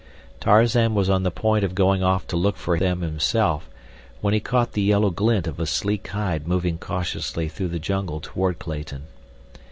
Tarzan was on the point of going off to look for them himself, when he caught the yellow glint of a sleek hide moving cautiously through the jungle toward Clayton.